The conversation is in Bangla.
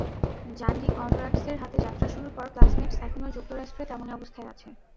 র্যান্ডি কনরাডসের হাতে যাত্রা শুরুর পর ক্লাসমেটস এখনো যুক্তরাষ্ট্রে তেমনি অবস্থায় আছে।